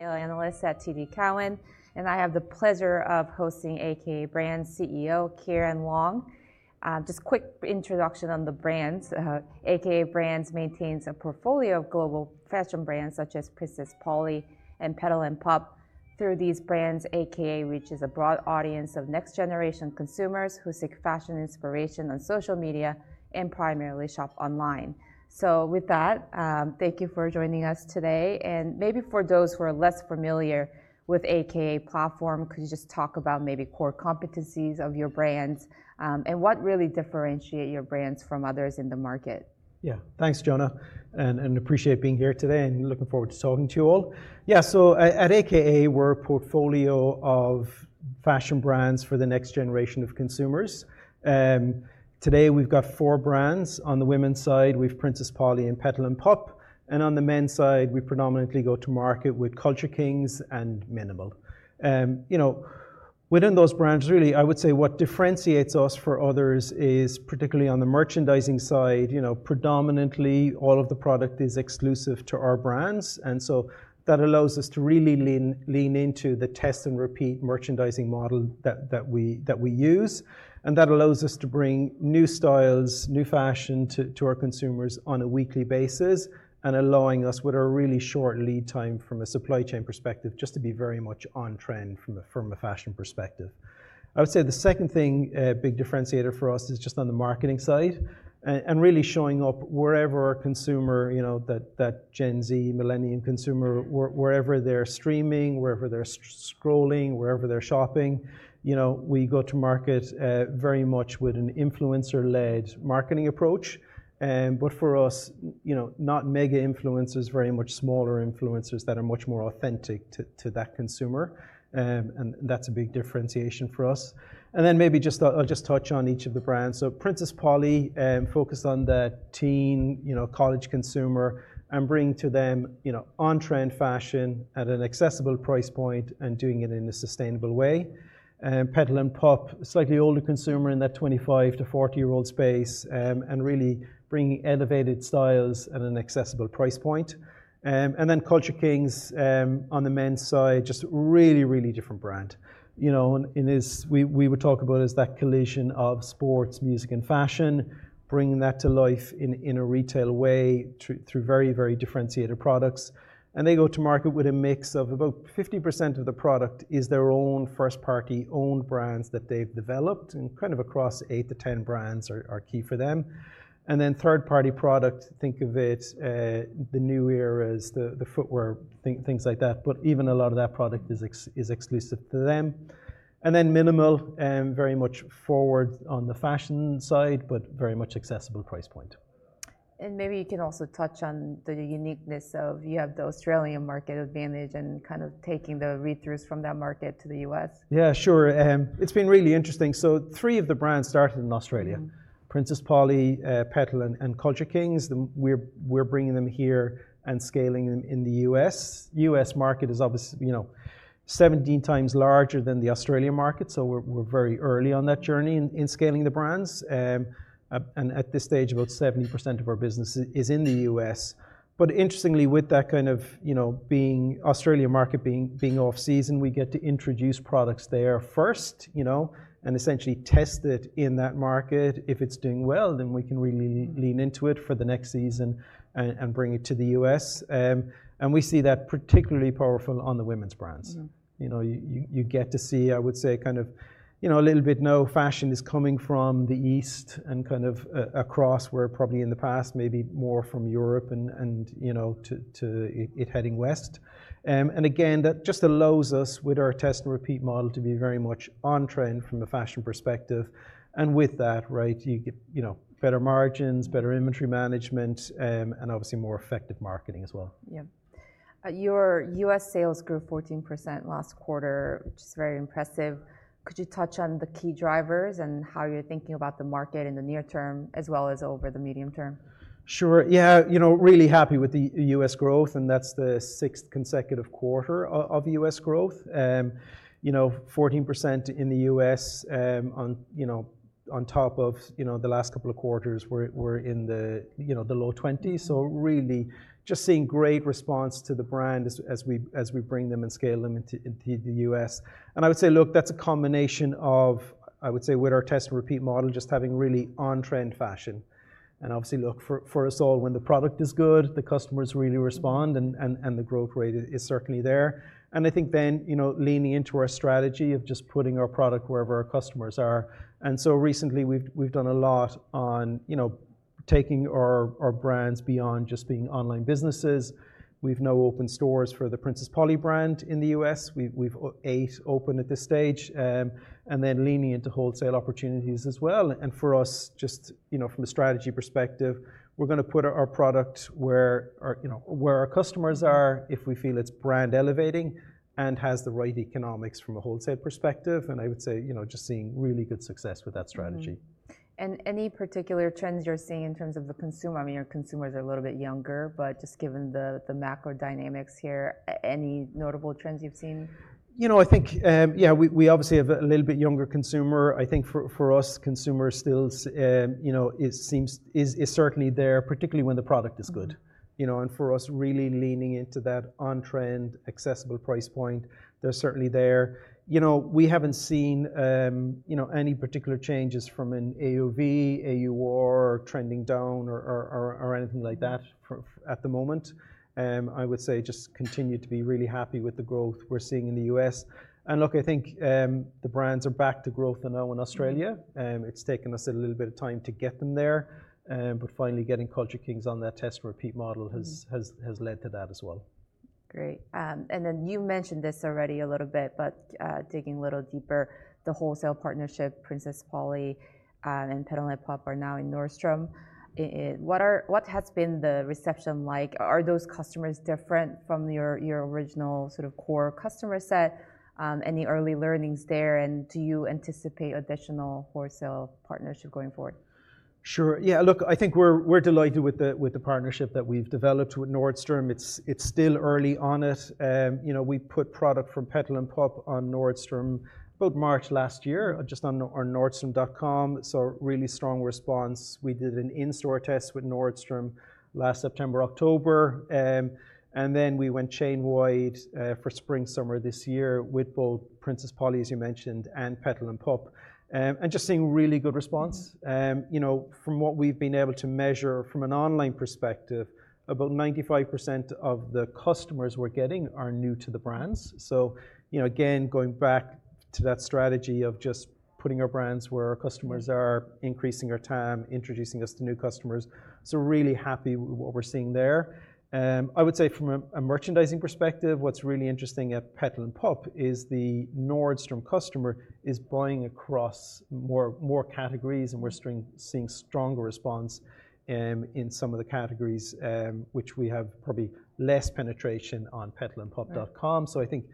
Analyst at TD Cowen, and I have the pleasure of hosting a.k.a. Brands CEO, Ciaran Long. Just a quick introduction on the brands. a.k.a. Brands maintains a portfolio of global fashion brands such as Princess Polly and Petal & Pup. Through these brands, a.k.a. reaches a broad audience of next-generation consumers who seek fashion inspiration on social media and primarily shop online. Thank you for joining us today. Maybe for those who are less familiar with the a.k.a. platform, could you just talk about maybe core competencies of your brands and what really differentiates your brands from others in the market? Yeah, thanks, Jonna, and appreciate being here today and looking forward to talking to you all. Yeah, at a.k.a., we're a portfolio of fashion brands for the next generation of consumers. Today, we've got four brands. On the women's side, we have Princess Polly and Petal & Pup. On the men's side, we predominantly go to market with Culture Kings and mnml. You know, within those brands, really, I would say what differentiates us from others is, particularly on the merchandising side, you know, predominantly all of the product is exclusive to our brands. That allows us to really lean into the test-and-repeat merchandising model that we use. That allows us to bring new styles, new fashion to our consumers on a weekly basis and allows us with a really short lead time from a supply chain perspective to be very much on trend from a fashion perspective. I would say the second big differentiator for us is just on the marketing side and really showing up wherever our consumer, you know, that Gen Z, Millennial consumer, wherever they are streaming, wherever they are scrolling, wherever they are shopping. You know, we go to market very much with an influencer-led marketing approach. For us, you know, not mega influencers, very much smaller influencers that are much more authentic to that consumer. That is a big differentiation for us. Maybe I will just touch on each of the brands. Princess Polly focused on the teen, you know, college consumer and bringing to them, you know, on-trend fashion at an accessible price point and doing it in a sustainable way. Petal & Pup, slightly older consumer in that 25 to 40-year-old space and really bringing elevated styles at an accessible price point. Culture Kings on the men's side, just a really, really different brand. You know, we would talk about it as that collision of sports, music, and fashion, bringing that to life in a retail way through very, very differentiated products. They go to market with a mix of about 50% of the product is their own first-party owned brands that they've developed and kind of across eight to ten brands are key for them. Then third-party products, think of it the New Eras, the footwear, things like that. Even a lot of that product is exclusive to them. And then mnml, very much forward on the fashion side, but very much accessible price point. Maybe you can also touch on the uniqueness of you have the Australian market advantage and kind of taking the read-throughs from that market to the U.S. Yeah, sure. It's been really interesting. Three of the brands started in Australia: Princess Polly, Petal & Pup, and Culture Kings. We're bringing them here and scaling them in the U.S. U.S. market is obviously, you know, 17x larger than the Australian market. We're very early on that journey in scaling the brands. At this stage, about 70% of our business is in the U.S. Interestingly, with that kind of, you know, the Australian market being off season, we get to introduce products there first, you know, and essentially test it in that market. If it's doing well, then we can really lean into it for the next season and bring it to the U.S. We see that particularly powerful on the women's brands. You know, you get to see, I would say, kind of, you know, a little bit now fashion is coming from the East and kind of across where probably in the past, maybe more from Europe and, you know, to it heading West. That just allows us with our test-and-repeat model to be very much on trend from a fashion perspective. With that, right, you get, you know, better margins, better inventory management, and obviously more effective marketing as well. Yeah. Your U.S. sales grew 14% last quarter, which is very impressive. Could you touch on the key drivers and how you're thinking about the market in the near term as well as over the medium term? Sure. Yeah, you know, really happy with the U.S. growth. And that's the sixth consecutive quarter of U.S. growth. You know, 14% in the U.S. on, you know, on top of, you know, the last couple of quarters where we're in the, you know, the low 20s. So really just seeing great response to the brand as we bring them and scale them into the U.S. And I would say, look, that's a combination of, I would say, with our test-and-repeat model just having really on-trend fashion. And obviously, look, for us all, when the product is good, the customers really respond and the growth rate is certainly there. And I think then, you know, leaning into our strategy of just putting our product wherever our customers are. And so recently, we've done a lot on, you know, taking our brands beyond just being online businesses. We've now opened stores for the Princess Polly brand in the U.S. We've eight open at this stage. Then leaning into wholesale opportunities as well. For us, just, you know, from a strategy perspective, we're going to put our product where, you know, where our customers are if we feel it's brand elevating and has the right economics from a wholesale perspective. I would say, you know, just seeing really good success with that strategy. Any particular trends you're seeing in terms of the consumer? I mean, your consumers are a little bit younger, but just given the macro dynamics here, any notable trends you've seen? You know, I think, yeah, we obviously have a little bit younger consumer. I think for us, consumer still, you know, it seems is certainly there, particularly when the product is good. You know, and for us, really leaning into that on-trend, accessible price point, they're certainly there. You know, we haven't seen, you know, any particular changes from an AOV, AUR, trending down or anything like that at the moment. I would say just continue to be really happy with the growth we're seeing in the U.S. Look, I think the brands are back to growth now in Australia. It's taken us a little bit of time to get them there. Finally, getting Culture Kings on that test-and-repeat model has led to that as well. Great. You mentioned this already a little bit, but digging a little deeper, the wholesale partnership, Princess Polly and Petal & Pup are now in Nordstrom. What has been the reception like? Are those customers different from your original sort of core customer set? Any early learnings there? Do you anticipate additional wholesale partnership going forward? Sure. Yeah, look, I think we're delighted with the partnership that we've developed with Nordstrom. It's still early on it. You know, we put product from Petal & Pup on Nordstrom about March last year just on nordstrom.com. Really strong response. We did an in-store test with Nordstrom last September, October. We went chain-wide for spring, summer this year with both Princess Polly, as you mentioned, and Petal & Pup. Just seeing really good response. You know, from what we've been able to measure from an online perspective, about 95% of the customers we're getting are new to the brands. You know, again, going back to that strategy of just putting our brands where our customers are, increasing our TAM, introducing us to new customers. Really happy with what we're seeing there. I would say from a merchandising perspective, what's really interesting at Petal & Pup is the Nordstrom customer is buying across more categories and we're seeing stronger response in some of the categories, which we have probably less penetration on petalandpup.com. I think,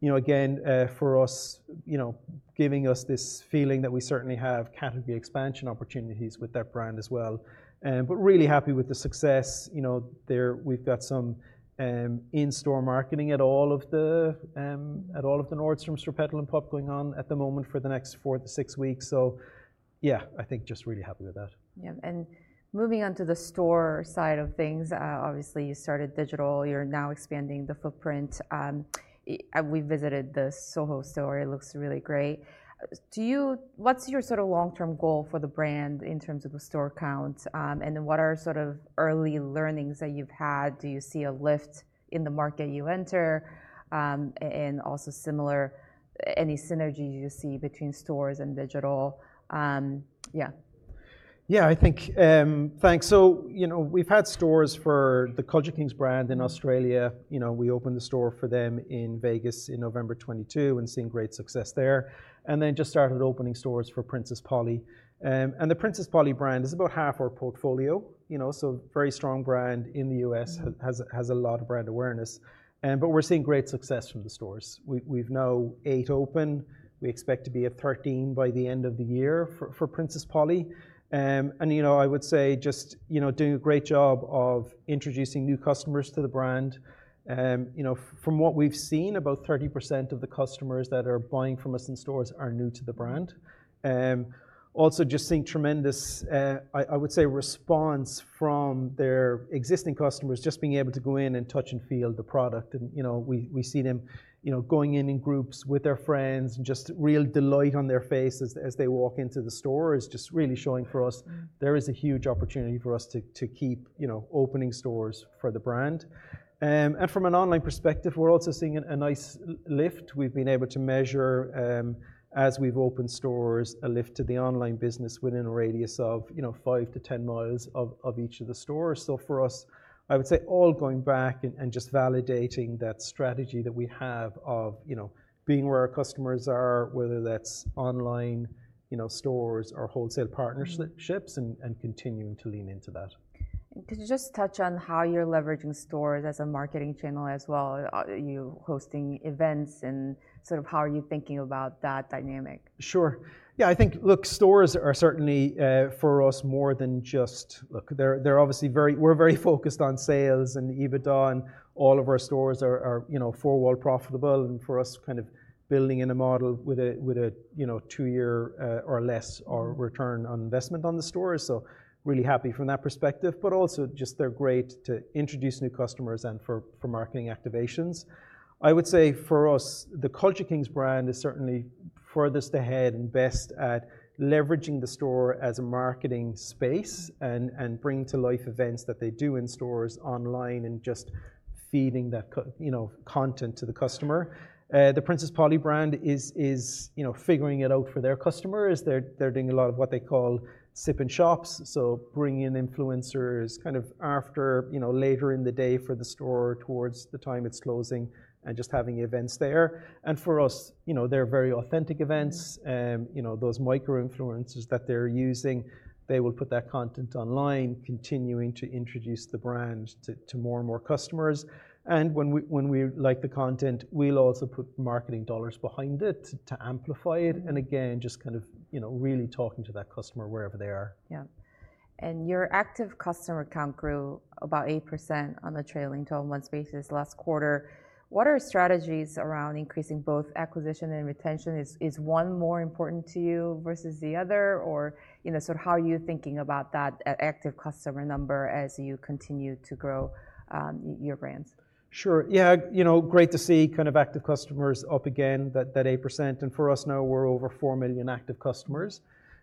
you know, again, for us, you know, giving us this feeling that we certainly have category expansion opportunities with that brand as well. Really happy with the success. You know, we've got some in-store marketing at all of the Nordstroms for Petal & Pup going on at the moment for the next four to six weeks. Yeah, I think just really happy with that. Yeah. Moving on to the store side of things, obviously you started digital. You're now expanding the footprint. We visited the SoHo store. It looks really great. Do you, what's your sort of long-term goal for the brand in terms of the store count? And then what are sort of early learnings that you've had? Do you see a lift in the market you enter? And also similar, any synergies you see between stores and digital? Yeah. Yeah, I think thanks. So, you know, we've had stores for the Culture Kings brand in Australia. You know, we opened the store for them in Vegas in November 2022 and seeing great success there. And then just started opening stores for Princess Polly. And the Princess Polly brand is about half our portfolio, you know, so very strong brand in the U.S., has a lot of brand awareness. But we're seeing great success from the stores. We've now eight open. We expect to be at 13 by the end of the year for Princess Polly. And, you know, I would say just, you know, doing a great job of introducing new customers to the brand. You know, from what we've seen, about 30% of the customers that are buying from us in stores are new to the brand. Also just seeing tremendous, I would say, response from their existing customers just being able to go in and touch and feel the product. You know, we've seen them, you know, going in in groups with their friends and just real delight on their faces as they walk into the store is just really showing for us there is a huge opportunity for us to keep, you know, opening stores for the brand. From an online perspective, we're also seeing a nice lift. We've been able to measure, as we've opened stores, a lift to the online business within a radius of, you know, 5 mi-10 mi of each of the stores. For us, I would say all going back and just validating that strategy that we have of, you know, being where our customers are, whether that's online, you know, stores or wholesale partnerships and continuing to lean into that. Could you just touch on how you're leveraging stores as a marketing channel as well? You hosting events and sort of how are you thinking about that dynamic? Sure. Yeah, I think, look, stores are certainly for us more than just, look, they're obviously very, we're very focused on sales and EBITDA and all of our stores are, you know, four-wall profitable. For us, kind of building in a model with a, you know, two-year or less return on investment on the stores. Really happy from that perspective. Also, just they're great to introduce new customers and for marketing activations. I would say for us, the Culture Kings brand is certainly furthest ahead and best at leveraging the store as a marketing space and bringing to life events that they do in stores online and just feeding that, you know, content to the customer. The Princess Polly brand is, you know, figuring it out for their customers. They're doing a lot of what they call sip and shops. Bringing in influencers kind of after, you know, later in the day for the store towards the time it's closing and just having events there. And for us, you know, they're very authentic events. You know, those micro influencers that they're using, they will put that content online, continuing to introduce the brand to more and more customers. And when we like the content, we'll also put marketing dollars behind it to amplify it. And again, just kind of, you know, really talking to that customer wherever they are. Yeah. Your active customer count grew about 8% on a trailing 12-month basis last quarter. What are strategies around increasing both acquisition and retention? Is one more important to you versus the other? Or, you know, sort of how are you thinking about that active customer number as you continue to grow your brands? Sure. Yeah, you know, great to see kind of active customers up again, that 8%. And for us now, we're over 4 million active customers.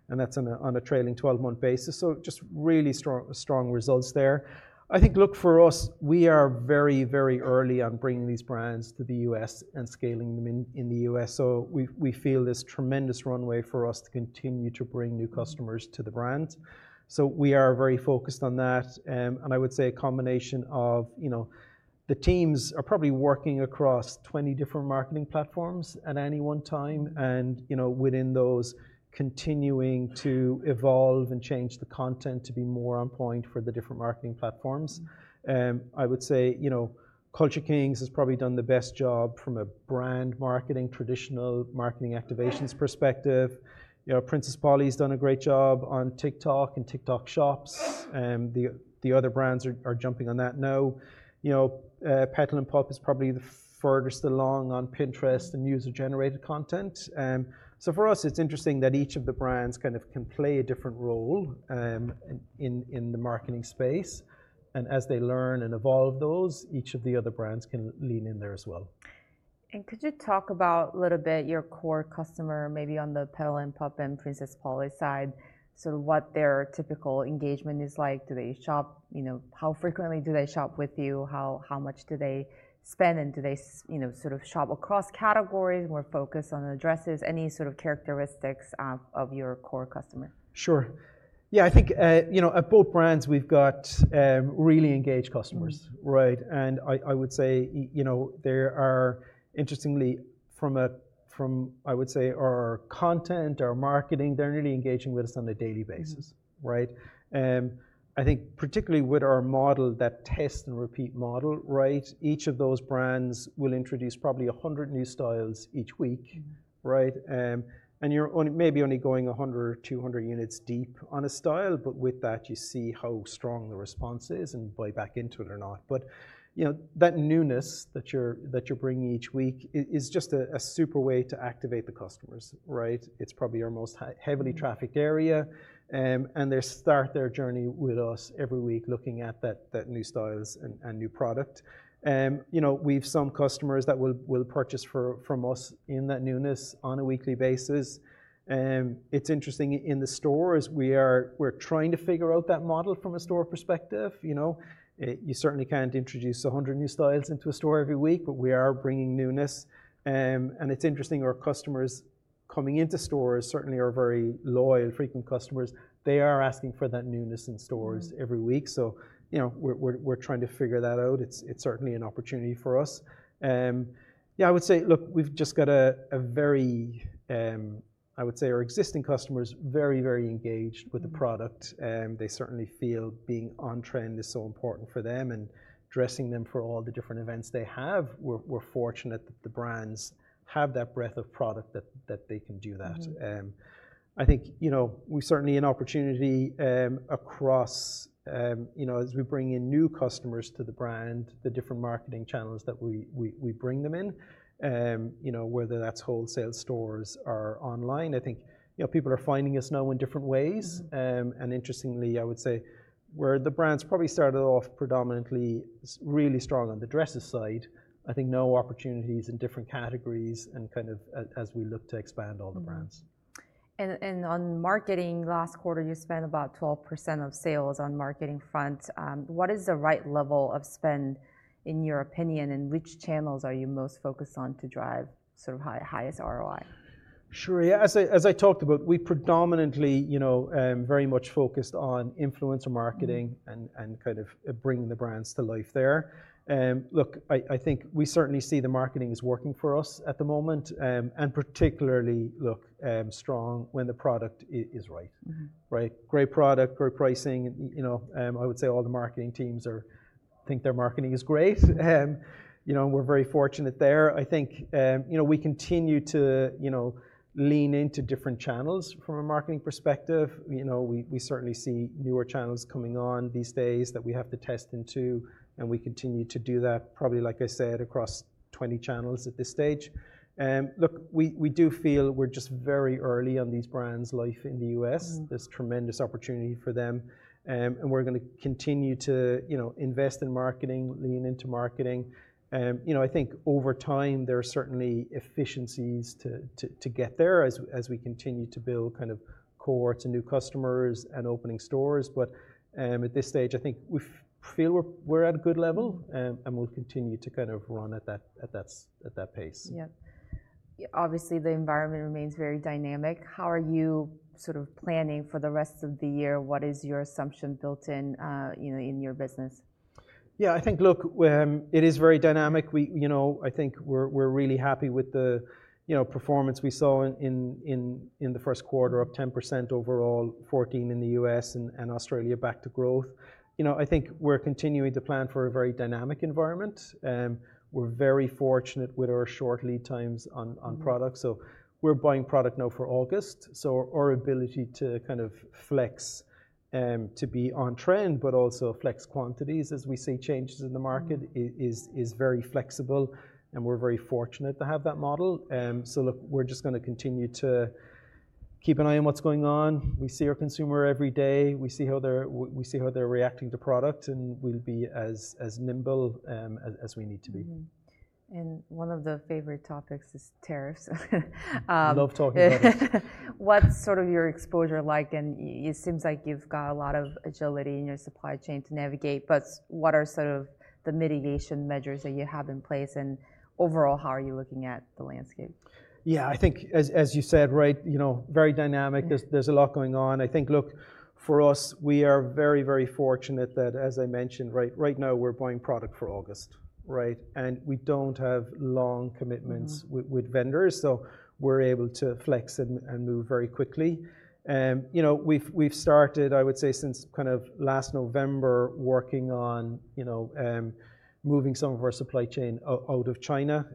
And that's on a trailing 12-month basis. Just really strong results there. I think, look, for us, we are very, very early on bringing these brands to the U.S. and scaling them in the U.S. We feel this tremendous runway for us to continue to bring new customers to the brand. We are very focused on that. I would say a combination of, you know, the teams are probably working across 20 different marketing platforms at any one time. You know, within those, continuing to evolve and change the content to be more on point for the different marketing platforms. I would say, you know, Culture Kings has probably done the best job from a brand marketing, traditional marketing activations perspective. You know, Princess Polly has done a great job on TikTok and TikTok Shops. The other brands are jumping on that now. You know, Petal & Pup is probably the furthest along on Pinterest and user-generated content. For us, it's interesting that each of the brands kind of can play a different role in the marketing space. As they learn and evolve those, each of the other brands can lean in there as well. Could you talk about a little bit your core customer maybe on the Petal & Pup and Princess Polly side, sort of what their typical engagement is like? Do they shop, you know, how frequently do they shop with you? How much do they spend? And do they, you know, sort of shop across categories more focused on addresses? Any sort of characteristics of your core customer? Sure. Yeah, I think, you know, at both brands, we've got really engaged customers, right? I would say, you know, there are interestingly from, I would say, our content, our marketing, they're really engaging with us on a daily basis, right? I think particularly with our model, that test and repeat model, right? Each of those brands will introduce probably 100 new styles each week, right? You're maybe only going 100 or 200 units deep on a style, but with that, you see how strong the response is and buy back into it or not. You know, that newness that you're bringing each week is just a super way to activate the customers, right? It's probably our most heavily trafficked area. They start their journey with us every week looking at that new styles and new product. You know, we've some customers that will purchase from us in that newness on a weekly basis. It's interesting in the stores we are, we're trying to figure out that model from a store perspective. You know, you certainly can't introduce 100 new styles into a store every week, but we are bringing newness. It's interesting, our customers coming into stores certainly are very loyal, frequent customers. They are asking for that newness in stores every week. You know, we're trying to figure that out. It's certainly an opportunity for us. Yeah, I would say, look, we've just got a very, I would say our existing customers are very, very engaged with the product. They certainly feel being on trend is so important for them and dressing them for all the different events they have. We're fortunate that the brands have that breadth of product that they can do that. I think, you know, we certainly have an opportunity across, you know, as we bring in new customers to the brand, the different marketing channels that we bring them in, you know, whether that's wholesale, stores, or online. I think, you know, people are finding us now in different ways. Interestingly, I would say where the brands probably started off predominantly really strong on the dresses side, I think now opportunities in different categories and kind of as we look to expand all the brands. On marketing last quarter, you spent about 12% of sales on the marketing front. What is the right level of spend in your opinion and which channels are you most focused on to drive sort of highest ROI? Sure. Yeah. As I talked about, we predominantly, you know, very much focused on influencer marketing and kind of bringing the brands to life there. Look, I think we certainly see the marketing is working for us at the moment. And particularly, look, strong when the product is right, right? Great product, great pricing. You know, I would say all the marketing teams think their marketing is great. You know, we're very fortunate there. I think, you know, we continue to, you know, lean into different channels from a marketing perspective. You know, we certainly see newer channels coming on these days that we have to test into. And we continue to do that probably, like I said, across 20 channels at this stage. Look, we do feel we're just very early on these brands' life in the U.S. There's tremendous opportunity for them. We're going to continue to, you know, invest in marketing, lean into marketing. You know, I think over time, there are certainly efficiencies to get there as we continue to build kind of core to new customers and opening stores. At this stage, I think we feel we're at a good level and we'll continue to kind of run at that pace. Yeah. Obviously, the environment remains very dynamic. How are you sort of planning for the rest of the year? What is your assumption built in, you know, in your business? Yeah, I think, look, it is very dynamic. You know, I think we're really happy with the, you know, performance we saw in the first quarter of 10% overall, 14% in the U.S. and Australia back to growth. You know, I think we're continuing to plan for a very dynamic environment. We're very fortunate with our short lead times on product. So we're buying product now for August. Our ability to kind of flex to be on trend, but also flex quantities as we see changes in the market is very flexible. We're very fortunate to have that model. Look, we're just going to continue to keep an eye on what's going on. We see our consumer every day. We see how they're reacting to product and we'll be as nimble as we need to be. One of the favorite topics is tariffs. I love talking about it. What's sort of your exposure like? It seems like you've got a lot of agility in your supply chain to navigate. What are sort of the mitigation measures that you have in place? Overall, how are you looking at the landscape? Yeah, I think as you said, right, you know, very dynamic. There's a lot going on. I think, look, for us, we are very, very fortunate that as I mentioned, right now we're buying product for August, right? And we don't have long commitments with vendors. So we're able to flex and move very quickly. You know, we've started, I would say since kind of last November working on, you know, moving some of our supply chain out of China.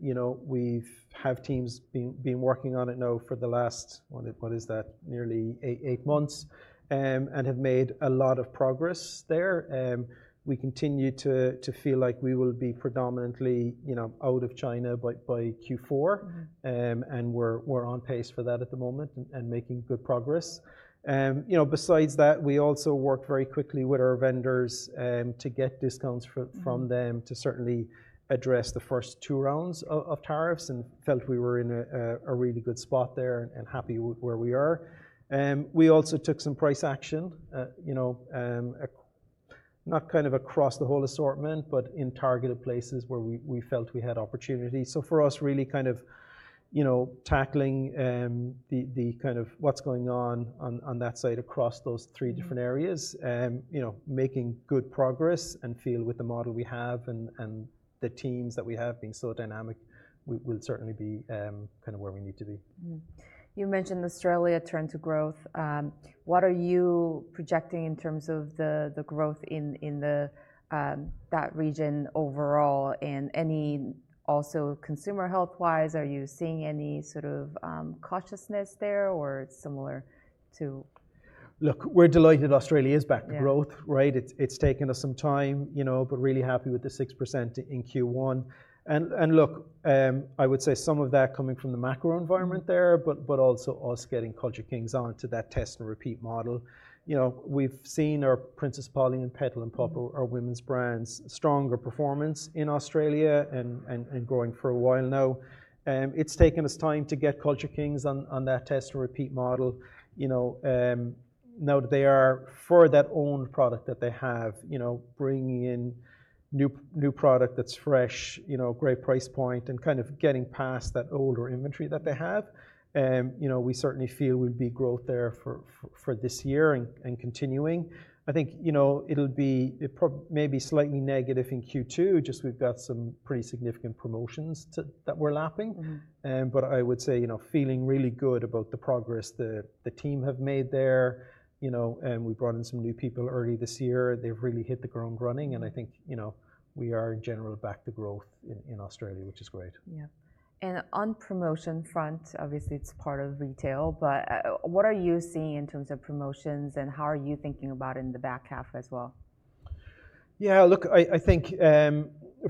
You know, we have teams been working on it now for the last, what is that, nearly eight months and have made a lot of progress there. We continue to feel like we will be predominantly, you know, out of China by Q4. And we're on pace for that at the moment and making good progress. You know, besides that, we also worked very quickly with our vendors to get discounts from them to certainly address the first two rounds of tariffs and felt we were in a really good spot there and happy where we are. We also took some price action, you know, not kind of across the whole assortment, but in targeted places where we felt we had opportunity. For us, really kind of, you know, tackling the kind of what's going on on that side across those three different areas, you know, making good progress and feel with the model we have and the teams that we have being so dynamic, we'll certainly be kind of where we need to be. You mentioned Australia turned to growth. What are you projecting in terms of the growth in that region overall? Also, consumer health-wise, are you seeing any sort of cautiousness there or similar to? Look, we're delighted Australia is back to growth, right? It's taken us some time, you know, but really happy with the 6% in Q1. I would say some of that coming from the macro environment there, but also us getting Culture Kings on to that test and repeat model. You know, we've seen our Princess Polly and Petal & Pup, our women's brands, stronger performance in Australia and growing for a while now. It's taken us time to get Culture Kings on that test and repeat model. You know, now that they are for that owned product that they have, you know, bringing in new product that's fresh, you know, great price point and kind of getting past that older inventory that they have. You know, we certainly feel we'll be growth there for this year and continuing. I think, you know, it'll be maybe slightly negative in Q2, just we've got some pretty significant promotions that we're lapping. I would say, you know, feeling really good about the progress the team have made there. You know, we brought in some new people early this year. They've really hit the ground running. I think, you know, we are in general back to growth in Australia, which is great. Yeah. On promotion front, obviously it's part of retail, but what are you seeing in terms of promotions and how are you thinking about it in the back half as well? Yeah, look, I think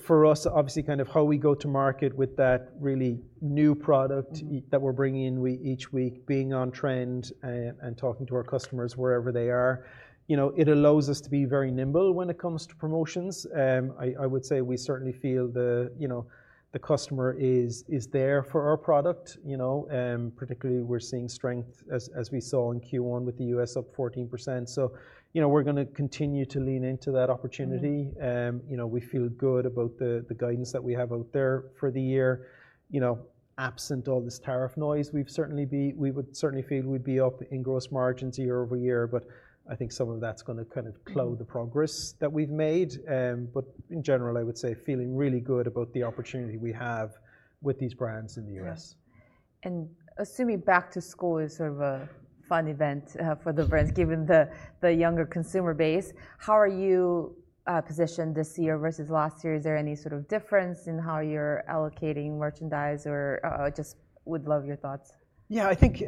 for us, obviously kind of how we go to market with that really new product that we're bringing in each week, being on trend and talking to our customers wherever they are, you know, it allows us to be very nimble when it comes to promotions. I would say we certainly feel the, you know, the customer is there for our product, you know, particularly we're seeing strength as we saw in Q1 with the U.S. up 14%. You know, we're going to continue to lean into that opportunity. We feel good about the guidance that we have out there for the year. You know, absent all this tariff noise, we would certainly feel we'd be up in gross margins year over year. I think some of that's going to kind of close the progress that we've made. In general, I would say feeling really good about the opportunity we have with these brands in the U.S. Assuming back to school is sort of a fun event for the brands given the younger consumer base, how are you positioned this year versus last year? Is there any sort of difference in how you're allocating merchandise or just would love your thoughts? Yeah, I think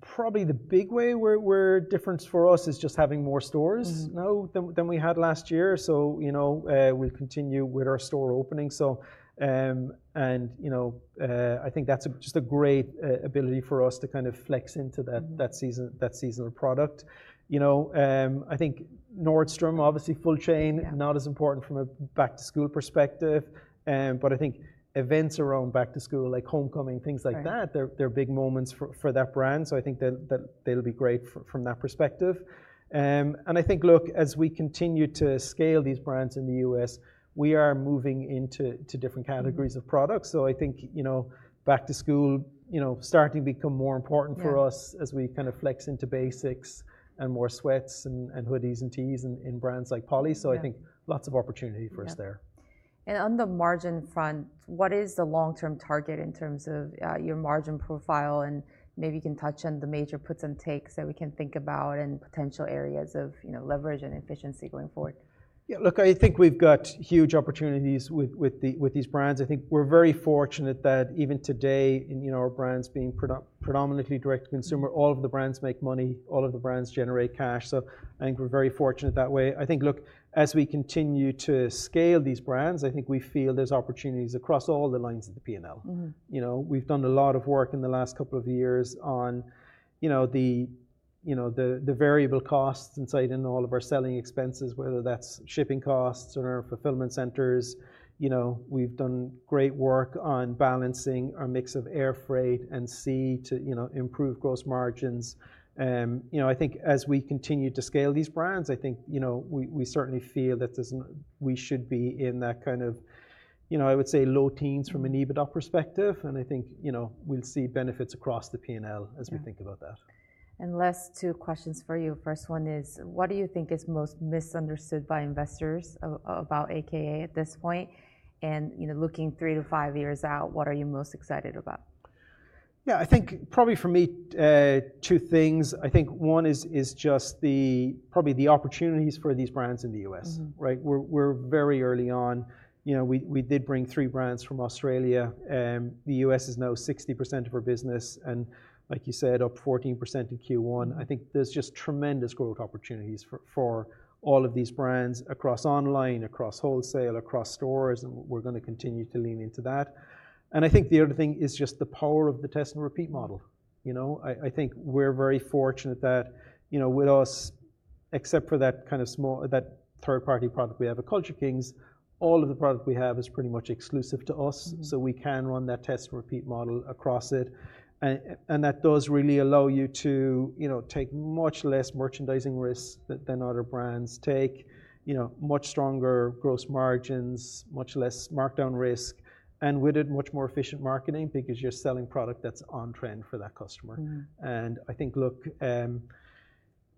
probably the big way we're different for us is just having more stores now than we had last year. You know, we'll continue with our store opening. You know, I think that's just a great ability for us to kind of flex into that seasonal product. You know, I think Nordstrom, obviously full chain, not as important from a back to school perspective. I think events around back to school, like homecoming, things like that, they're big moments for that brand. I think that they'll be great from that perspective. I think, look, as we continue to scale these brands in the U.S., we are moving into different categories of products. I think, you know, back to school, you know, starting to become more important for us as we kind of flex into basics and more sweats and hoodies and tees in brands like Polly. I think lots of opportunity for us there. On the margin front, what is the long-term target in terms of your margin profile? Maybe you can touch on the major puts and takes that we can think about and potential areas of, you know, leverage and efficiency going forward. Yeah, look, I think we've got huge opportunities with these brands. I think we're very fortunate that even today in our brands being predominantly direct to consumer, all of the brands make money, all of the brands generate cash. I think we're very fortunate that way. I think, look, as we continue to scale these brands, I think we feel there's opportunities across all the lines of the P&L. You know, we've done a lot of work in the last couple of years on, you know, the variable costs inside and all of our selling expenses, whether that's shipping costs or our fulfillment centers. You know, we've done great work on balancing our mix of air freight and sea to, you know, improve gross margins. You know, I think as we continue to scale these brands, I think, you know, we certainly feel that we should be in that kind of, you know, I would say low teens from an EBITDA perspective. I think, you know, we'll see benefits across the P&L as we think about that. Last two questions for you. First one is, what do you think is most misunderstood by investors about a.k.a. at this point? And, you know, looking three to five years out, what are you most excited about? Yeah, I think probably for me, two things. I think one is just probably the opportunities for these brands in the U.S., right? We're very early on. You know, we did bring three brands from Australia. The U.S. is now 60% of our business. Like you said, up 14% in Q1. I think there's just tremendous growth opportunities for all of these brands across online, across wholesale, across stores. We're going to continue to lean into that. I think the other thing is just the power of the test and repeat model. You know, I think we're very fortunate that, you know, with us, except for that kind of small, that third-party product we have at Culture Kings, all of the product we have is pretty much exclusive to us. We can run that test and repeat model across it. That does really allow you to, you know, take much less merchandising risk than other brands take, you know, much stronger gross margins, much less markdown risk, and with it, much more efficient marketing because you're selling product that's on trend for that customer. I think, look,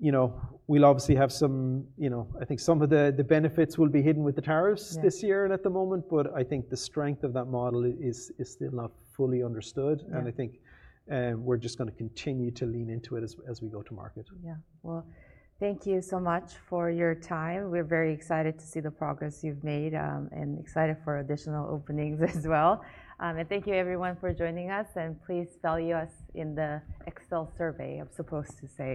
you know, we'll obviously have some, you know, I think some of the benefits will be hidden with the tariffs this year and at the moment. I think the strength of that model is still not fully understood. I think we're just going to continue to lean into it as we go to market. Yeah. Thank you so much for your time. We're very excited to see the progress you've made and excited for additional openings as well. Thank you everyone for joining us. Please fill out the Excel survey I'm supposed to say.